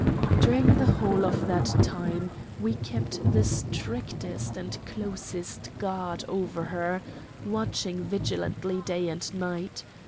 During the whole of that time we kept the strictest and closest guard over her, watching vigilantly day and night.